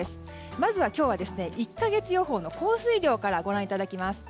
まずは今日は１か月予報の降水量からご覧いただきます。